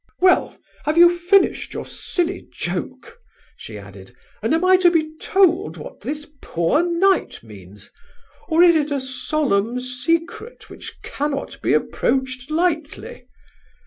"Well, have you finished your silly joke?" she added, "and am I to be told what this 'poor knight' means, or is it a solemn secret which cannot be approached lightly?"